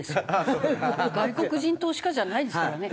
外国人投資家じゃないですからね。